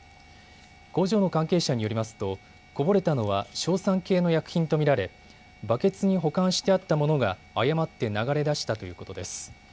工場の関係者によりますとこぼれたのは硝酸系の薬品と見られバケツに保管してあったものが誤って流れ出したということです。